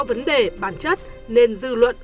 vấn đề bản chất nên dư luận